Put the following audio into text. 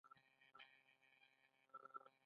• دا له مقدس کتاب سره ګډ ټکي لري.